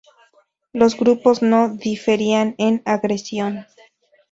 Los grupos no diferían en agresión.